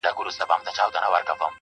o ما په اول ځل هم چنداني گټه ونه کړه.